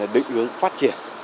định hướng phát triển